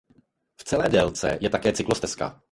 V celé délce je také cyklostezka.